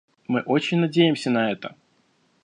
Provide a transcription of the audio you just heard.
Мы очень надеемся на это.